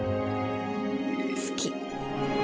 好き。